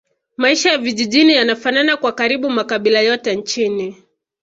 Maisha ya vijijini yanafanana kwa karibu makabila yote nchini